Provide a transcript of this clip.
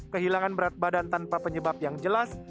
kehilangan berat badan tanpa penyebab yang jelas